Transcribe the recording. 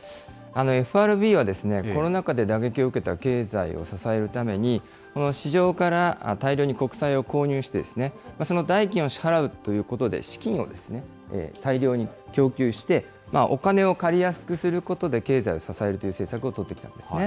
ＦＲＢは、コロナ禍で打撃を受けた経済を支えるために、この市場から大量に国債を購入して、その代金を支払うということで資金を大量に供給して、お金を借りやすくすることで経済を支えるという政策を取ってきたんですね。